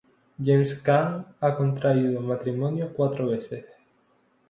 James Caan ha contraído matrimonio cuatro veces.